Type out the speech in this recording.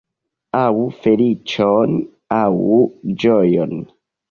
Aŭ feliĉon, aŭ ĝojon.